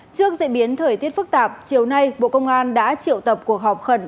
trước diễn biến thời tiết phức tạp chiều nay bộ công an đã triệu tập cuộc họp khẩn